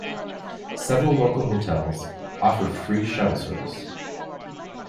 Several local hotels offer free shuttle service.